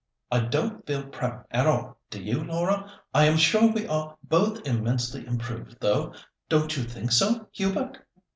I don't feel proud at all, do you, Laura? I am sure we are both immensely improved, though. Don't you think so, Hubert?"